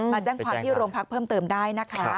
มาแจ้งความที่โรงพักษณ์เพิ่มเติมได้